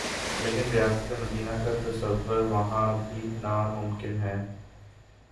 لیکن ریاست مدینہ کا تصور وہاں بھی ناممکن ہے۔